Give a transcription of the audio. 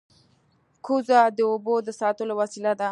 کوزه د اوبو د ساتلو وسیله ده